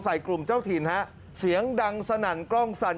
กลุ่มเจ้าถิ่นฮะเสียงดังสนั่นกล้องสั่น